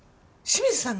清水さん。